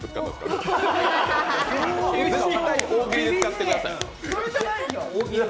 大喜利で使ってください。